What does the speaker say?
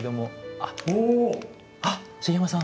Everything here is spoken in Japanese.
あっ茂山さん